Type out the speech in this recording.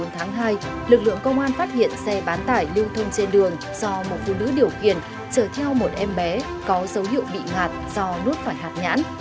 tháng hai lực lượng công an phát hiện xe bán tải lưu thông trên đường do một phụ nữ điều khiển chở theo một em bé có dấu hiệu bị ngạt do nút phải hạt nhãn